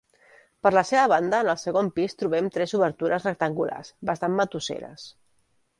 Per la seva banda en el segon pis trobem tres obertures rectangulars bastant matusseres.